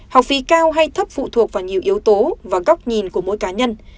học phí cao hay thấp phụ thuộc vào nhiều yếu tố và góc nhìn của mỗi cá nhân